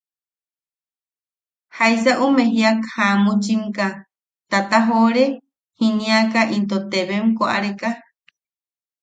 Jaisa ume jiak jamuchimka tatajoʼore jiniaka into teebem koʼareka.